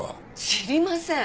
知りません。